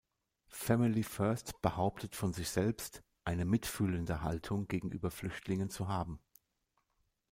Family First behauptet von sich selbst eine „mitfühlende“ Haltung gegenüber Flüchtlingen zu haben.